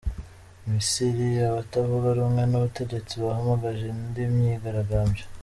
Misiri: Abatavuga rumwe n’ubutegetsi bahamagaje indi myigaragambyo